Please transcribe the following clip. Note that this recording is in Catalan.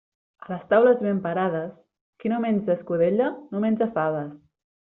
A les taules ben parades, qui no menja escudella no menja faves.